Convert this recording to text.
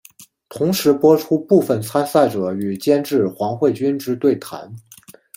同时播出部分参赛者与监制黄慧君之对谈。